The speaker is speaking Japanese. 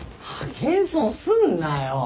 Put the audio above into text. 謙遜すんなよ。